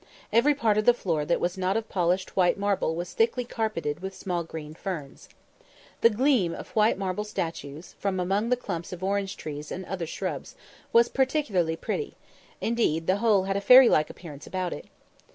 Every part of the floor that was not of polished white marble was thickly carpeted with small green ferns. The gleam of white marble statues, from among the clumps of orange trees and other shrubs, was particularly pretty; indeed, the whole had a fairy like appearance about it.